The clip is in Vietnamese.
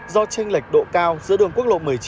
do tranh lệch độ cao giữa đường quốc lộ một mươi chín